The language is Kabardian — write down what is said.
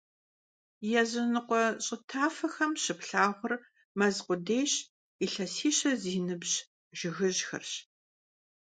Языныкъуэ щӀы тафэхэм щыплъагъур мэз къудейщ, илъэсищэ зи ныбжь жыгыжьхэрщ.